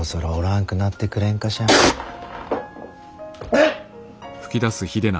えっ！